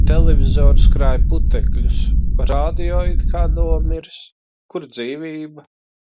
Televizors krāj putekļus. Radio it kā nomiris. Kur dzīvība?